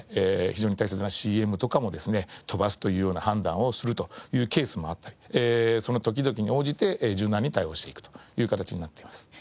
非常に大切なＣＭとかもですね飛ばすというような判断をするというケースもあったりその時々に応じて柔軟に対応していくという形になっています。